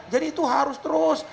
jadi itu harus terus